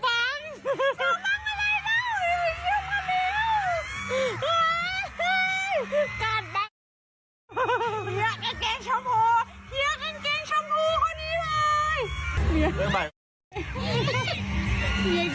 เกรงเกรงเช้าพู่คนนี้เว้ย